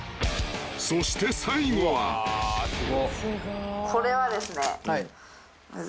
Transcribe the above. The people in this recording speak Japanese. ［そして最後は］これはですね。